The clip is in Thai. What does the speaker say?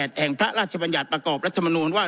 แห่งพระราชบัญญัติประกอบรัฐมนูลว่า